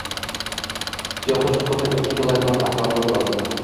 Tuyaqush tuxumi ikki kilogramm atrofida bo‘ladi